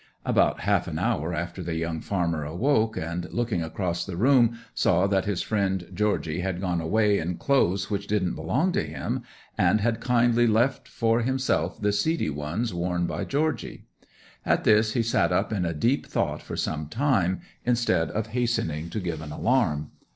'About half an hour after the young farmer awoke, and looking across the room saw that his friend Georgy had gone away in clothes which didn't belong to him, and had kindly left for himself the seedy ones worn by Georgy. At this he sat up in a deep thought for some time, instead of hastening to give an alarm.